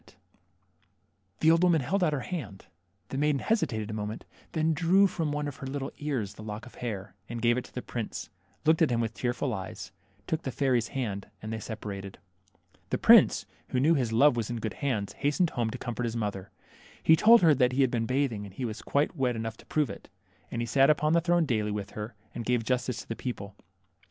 THE MERMAID. 21 The old woman held out her hand ; the maiden hesitated a moment, then drew from one oft her little ears the lock of hair, and gave it to the prince, looked at him with tearful eyes, took the fairy's hand, and they separated. The prince, who knew his love was in good hands, hastened home to comfort his mother. He told her he had been bathing, and he was quite wet enough to prove it. And he sat upon the throne daily with her, and gave justice to the people.